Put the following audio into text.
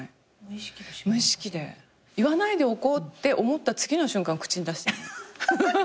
言わないでおこうって思った次の瞬間口に出してる。